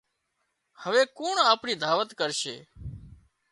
هوي ڪُوڻ آپڻي دعوت ڪرشي